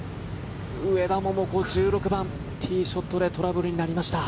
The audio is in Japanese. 上田桃子、１６番ティーショットでトラブルになりました。